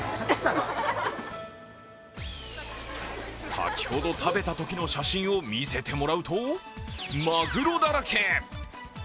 先ほど食べたときの写真を見せてもらうと、マグロだらけ。